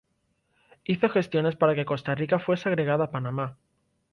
Hizo gestiones para que Costa Rica fuese agregada a Panamá.